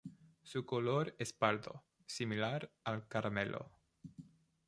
Su color es pardo, similar al caramelo.